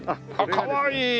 かわいい！